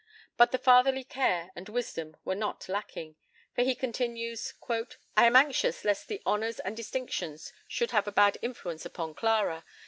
But the fatherly care and wisdom were not lacking, for he continues: "I am anxious lest the honours and distinctions should have a bad influence upon Clara.